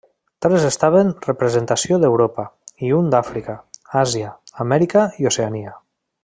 Tres estaven representació d'Europa i un d'Àfrica, Àsia, Amèrica i Oceania.